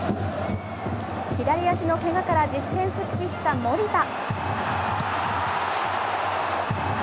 左足のけがから実戦復帰した守田。